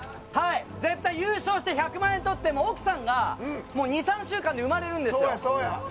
絶対優勝して１００万円とって奥さんが、２３週間で赤ちゃん生まれるんですよ。